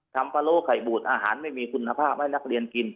ปะโล้ไข่บูดอาหารไม่มีคุณภาพให้นักเรียนกิน